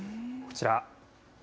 こちら。